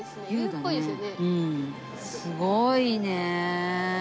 すごいねえ。